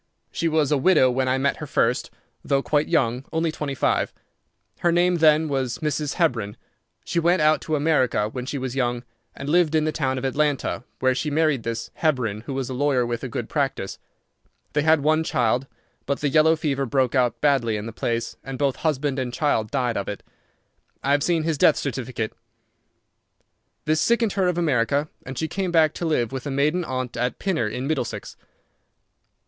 She was a widow when I met her first, though quite young—only twenty five. Her name then was Mrs. Hebron. She went out to America when she was young, and lived in the town of Atlanta, where she married this Hebron, who was a lawyer with a good practice. They had one child, but the yellow fever broke out badly in the place, and both husband and child died of it. I have seen his death certificate. This sickened her of America, and she came back to live with a maiden aunt at Pinner, in Middlesex.